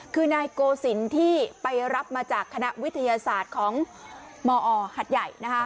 คือนายโกศิลป์ที่ไปรับมาจากคณะวิทยาศาสตร์ของมอหัดใหญ่